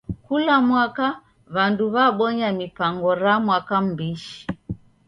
Kula mwaka w'andu w'abonya mipango ra Mwaka M'bishi.